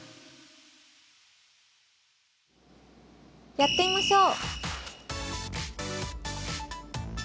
やってみましょう！